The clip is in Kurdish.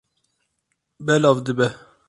Belav dibe.